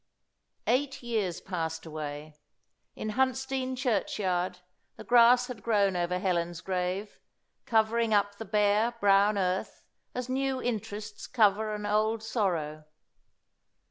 Eight years passed away. In Huntsdean churchyard the grass had grown over Helen's grave, covering up the bare, brown earth, as new interests cover an old sorrow.